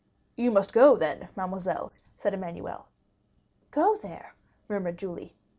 "You must go, then, mademoiselle," said Emmanuel. "Go there?" murmured Julie.